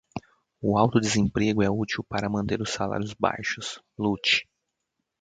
O alto desemprego é útil para manter os salários baixos. Lute.